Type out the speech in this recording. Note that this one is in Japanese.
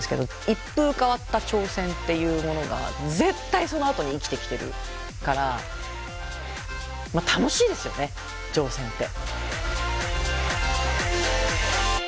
一風変わった挑戦っていうものが絶対そのあとに生きてきてるから楽しいですよね挑戦って。